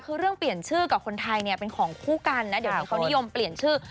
คือเรื่องเปลี่ยนชื่อกับคนไทยเนี่ยเป็นของคู่กันนะเดี๋ยวนี้เขานิยมเปลี่ยนชื่อ